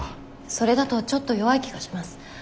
それだとちょっと弱い気がします。